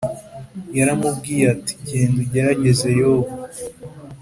yaramubwiye ati genda ugerageze Yobu